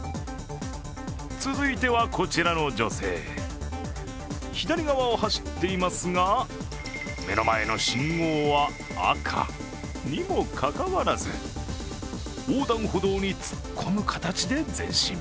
続いてはこちらの女性、左側を走っていますが、目の前の信号は赤にもかかわらず横断歩道に突っ込む形で前進。